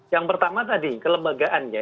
yang pertama tadi kelembagaannya